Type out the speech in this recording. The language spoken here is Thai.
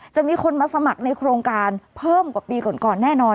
จะมีคนมาสมัครในโครงการเพิ่มกว่าปีก่อนก่อนแน่นอน